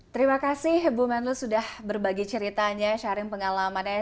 terima kasih ibu manlu sudah berbagi ceritanya sharing pengalamannya